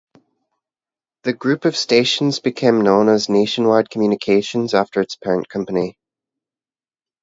The group of stations became known as Nationwide Communications, after its parent company.